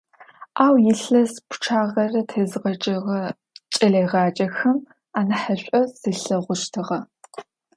Ау илъэс пчъагъэрэ тезгъэджэгъэ кӀэлэегъаджэхэм анахьышӀу слъэгъущтыгъэ.